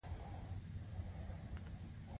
دغسې وګړي هم د ټولنې غلیمان ګڼل کېدل.